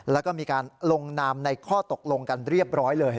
แล้วก็มีการลงนามในข้อตกลงกันเรียบร้อยเลย